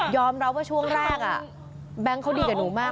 รับว่าช่วงแรกแบงค์เขาดีกับหนูมาก